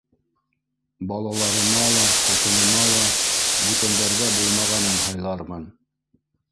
— Балаларыма ла, ҡатыныма ла бүтәндәрҙә булмағанын һайлармын.